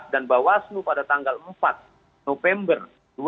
dan bawaslu pada tanggal empat november dua ribu dua puluh dua